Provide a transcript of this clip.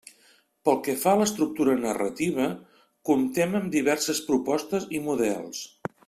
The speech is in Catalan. Pel que fa a l'estructura narrativa, comptem amb diverses propostes i models.